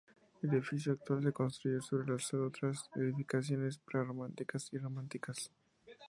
El edificio actual se construyó sobre otras edificaciones pre-románicas y románicas.